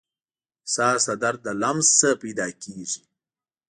احساس د درد له لمس نه پیدا کېږي.